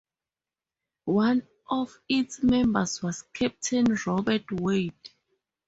One of its members was Captain Robert Wade.